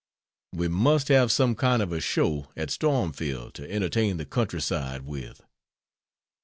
We must have some kind of a show at "Stormfield" to entertain the countryside with.